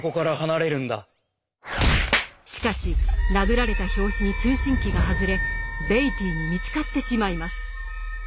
しかし殴られた拍子に通信機が外れベイティーに見つかってしまいます。